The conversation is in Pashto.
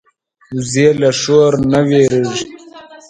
وزې له شور نه وېرېږي